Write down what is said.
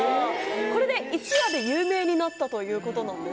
これで一夜で有名になったということなんです。